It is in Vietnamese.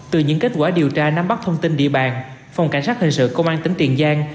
từ những kết quả điều tra nắm bắt thông tin địa bàn phòng cảnh sát hình sự công an tỉnh tiền giang